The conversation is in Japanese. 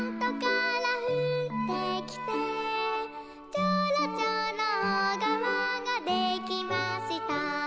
「ちょろちょろおがわができました」